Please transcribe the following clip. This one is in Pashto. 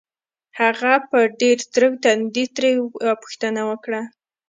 هغه په ډېر تروه تندي ترې يوه پوښتنه وکړه.